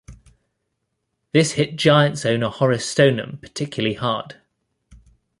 This hit Giants owner Horace Stoneham particularly hard.